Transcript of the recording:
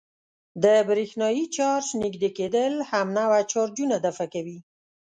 د برېښنايي چارج نژدې کېدل همنوع چارجونه دفع کوي.